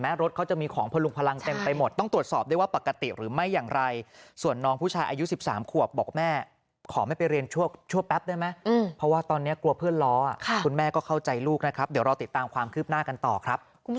แม่ก็ไม่อยากคิดต่อไปแล้วค่ะ